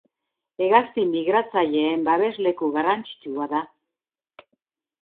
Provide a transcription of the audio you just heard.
Hegazti migratzaileen babesleku garrantzitsua da.